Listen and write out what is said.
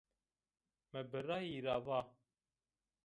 Mi birayî ra va